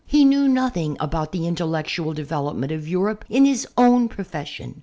He knew nothing about the intellectual development of Europe in his own profession.